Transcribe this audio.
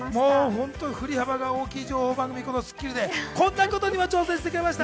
振り幅が大きい情報番組。ということでこんなことにも挑戦してくれました。